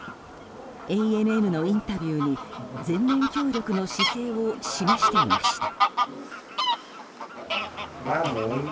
ＡＮＮのインタビューに全面協力の姿勢を示していました。